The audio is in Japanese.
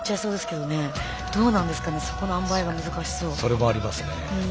それもありますね。